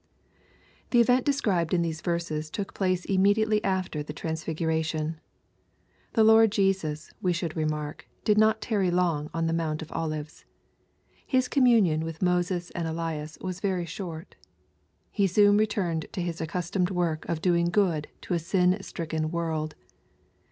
The event described in these verses took place immedi ately after the transfiguration. The Lord Jesus, we should remark, did not tarry long on the Mount of Olives. His communion with Moses and Elias was very short. He soon returned to His accustomed work of doing good to a sin stricken world.